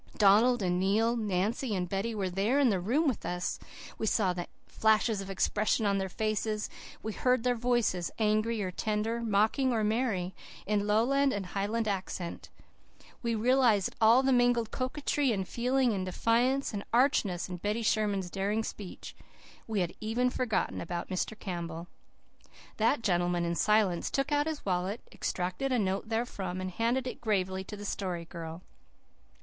Donald and Neil, Nancy and Betty, were there in that room with us. We saw the flashes of expression on their faces, we heard their voices, angry or tender, mocking or merry, in Lowland and Highland accent. We realized all the mingled coquetry and feeling and defiance and archness in Betty Sherman's daring speech. We had even forgotten all about Mr. Campbell. That gentleman, in silence, took out his wallet, extracted a note therefrom, and handed it gravely to the Story Girl.